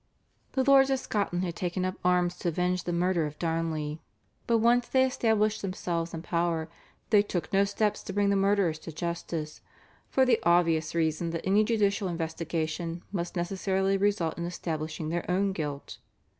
The lords of Scotland had taken up arms to avenge the murder of Darnley, but once they established themselves in power they took no steps to bring the murderers to justice, for the obvious reason that any judicial investigation must necessarily result in establishing their own guilt.